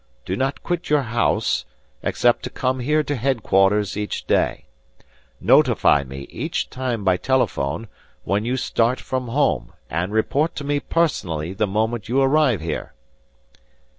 Do not quit your house, except to come here to headquarters each day; notify me, each time by telephone, when you start from home, and report to me personally the moment you arrive here."